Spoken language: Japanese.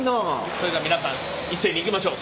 それでは皆さん一斉にいきましょう。